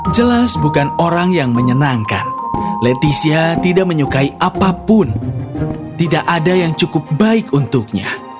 jelas bukan orang yang menyenangkan leticia tidak menyukai apapun tidak ada yang cukup baik untuknya